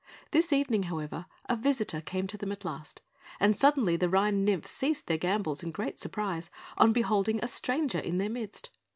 This evening, however, a visitor came to them at last; and suddenly the Rhine nymphs ceased their gambols in great surprise, on beholding a stranger in their midst.